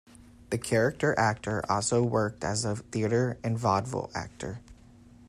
The character actor also worked as a theatre and vaudeville actor.